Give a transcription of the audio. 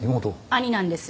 兄なんです。